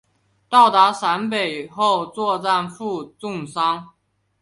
到达陕北后作战负重伤。